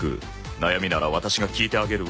悩みならワタシが聞いてあげるわ